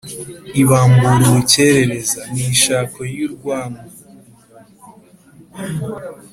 ibambura urukerereza. ni ishako y’urwamo